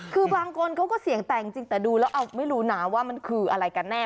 คือบางคนเขาก็เสี่ยงแตกจริงแต่ดูแล้วไม่รู้นะว่ามันคืออะไรกันแน่